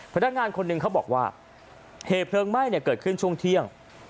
พนักงานคนหนึ่งเขาบอกว่าเหตุเพลิงไหม้เกิดขึ้นช่วงเที่ยง